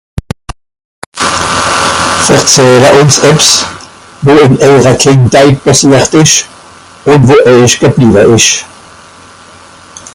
verzähle uns ebbs wo ìn ehre Kindheit pàssiert esch un wo eich gebliewe esch